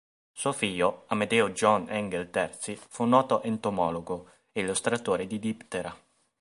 Suo figlio, Amedeo John Engel Terzi, fu un noto entomologo e illustratore di Diptera.